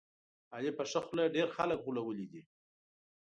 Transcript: علي په ښه خوله ډېر خلک غولولي دي.